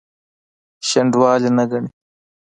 شنډوالي نه ګڼي.